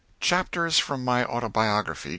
CHAPTERS FROM MY AUTOBIOGRAPHY.